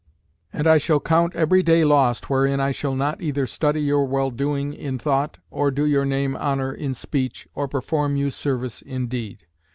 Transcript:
And I shall count every day lost, wherein I shall not either study your well doing in thought, or do your name honour in speech, or perform you service in deed.